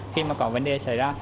khi mà có vấn đề xảy ra